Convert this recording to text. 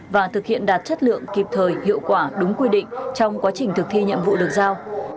và thực hiện đạt chất lượng kịp thời hiệu quả đúng quy định trong quá trình thực thi nhiệm vụ được giao